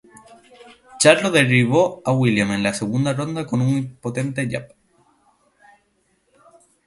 Charlo derribó a Williams en la segunda ronda con un potente jab.